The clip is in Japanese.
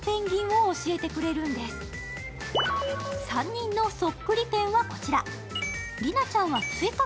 ３人のそっくりペンはこちら。